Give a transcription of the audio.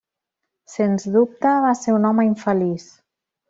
Sens dubte va ser un home infeliç.